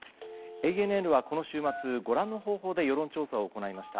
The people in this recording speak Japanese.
ＡＮＮはこの週末、ご覧の方法で世論調査を行いました。